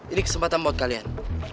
ini kesempatan buat kalian